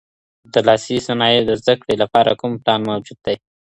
د لاسي صنایعو د زده کړې لپاره کوم پلان موجود دی؟